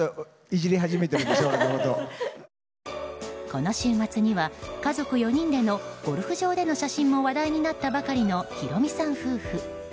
この週末には家族４人でのゴルフ場での写真も話題になったばかりのヒロミさん夫婦。